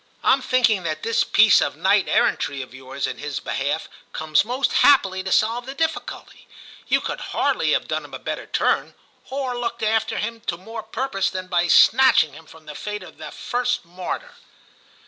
Tm thinking that this piece of knight errantry of yours in his behalf comes most happily to solve the difficulty ; you could hardly have done him a better turn, or looked after him to more purpose than by snatching him from the fate of the first martyr.'